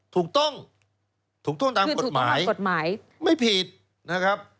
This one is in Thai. ถูกต้องถูกต้องตามกฎหมายไม่ผิดนะครับ